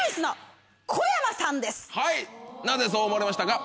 はいなぜそう思われましたか？